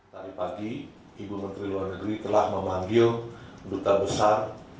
tadi pagi ibu menteri luar negeri telah memanggil duta besar